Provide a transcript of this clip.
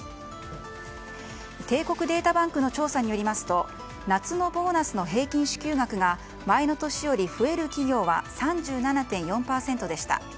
帝国データバンクの調査によりますと夏のボーナスの平均支給額が前の年より増える企業は３７．４％でした。